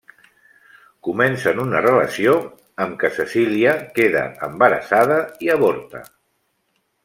Comencen una relació amb què Cecília queda embarassada i avorta.